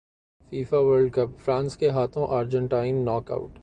FIFA World cup France کے ہاتھوں Argentina knock out